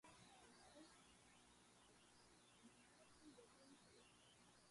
The clubs are arranged by actress seniority within the troupe.